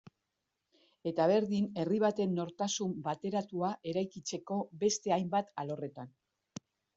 Eta berdin herri baten nortasun bateratua eraikitzeko beste hainbat alorretan.